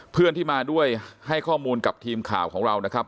เพื่อนที่มาด้วยให้ข้อมูลกับทีมข่าวของเรานะครับ